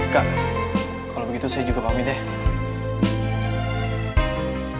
kalau begitu saya juga pamit ya